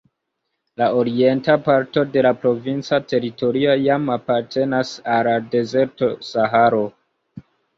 La orienta parto de la provinca teritorio jam apartenas al la dezerto Saharo.